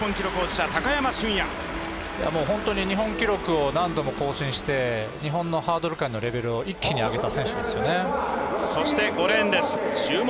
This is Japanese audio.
手は本当に日本記録を何度も更新して日本のハードル界のレベルを一気に上げた選手ですね。